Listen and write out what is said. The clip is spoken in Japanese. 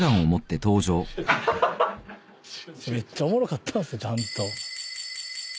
めっちゃおもろかったんですよちゃんと。